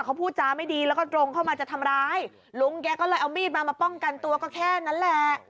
เขาพูดจาไม่ดีแล้วก็ตรงเข้ามาจะทำร้ายลุงแกก็เลยเอามีดมามาป้องกันตัวก็แค่นั้นแหละ